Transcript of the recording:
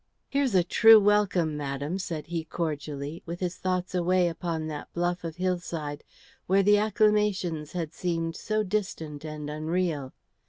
"Here's a true welcome, madam," said he, cordially, with his thoughts away upon that bluff of hillside where the acclamations had seemed so distant and unreal.